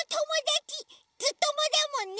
「ずっとも」だもんね。